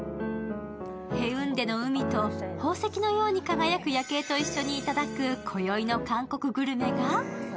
ヘウンデの海と宝石のような輝く夜景と一緒にいただくこよいの韓国グルメは？